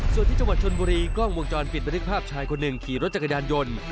ส่วนที่จังหวัดชนบุรีกล้องวงจรปิดบันทึกภาพชายคนหนึ่งขี่รถจักรยานยนต์